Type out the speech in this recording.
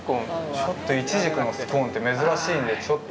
ちょっとイチジクのスコーンって珍しいので、ちょっと。